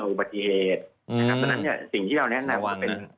ฮือและนั่นเนี่ยสิ่งที่เราเนาะนะเป็นว่ากนั้น